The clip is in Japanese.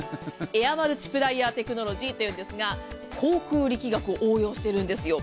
エアマルチプライアーテクノロジーというんですが、航空力学を応用しているんですよ。